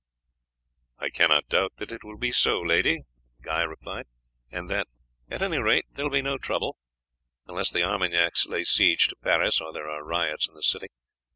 "I cannot doubt that it will be so, lady," Guy replied; "and that at any rate there will be no trouble, unless the Armagnacs lay siege to Paris or there are riots in the city.